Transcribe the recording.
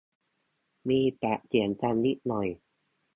มีปากเสียงกันนิดหน่อย